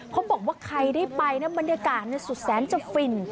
เขาบอกว่าใครได้ไปนะบรรยากาศสุดแสนจะฟิน